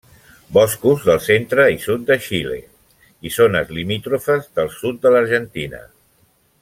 Boscos del centre i sud de Xile i zones limítrofes del sud de l'Argentina.